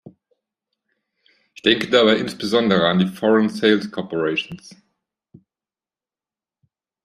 Ich denke dabei insbesondere an die Foreign Sales Corporations.